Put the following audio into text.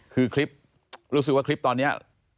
คือคลิปรู้สึกว่าคลิปตอนนี้